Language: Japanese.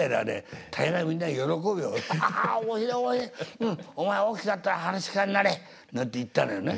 「ハハハ面白い面白いお前大きくなったら噺家になれ」なんて言ったのよね。